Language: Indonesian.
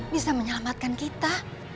bisa menyelamatkan kita